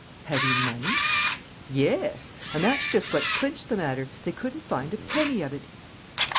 "Had he money?" "Yes; and that's just what clinched the matter: they couldn't find a penny of it!"